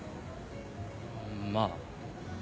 まあ。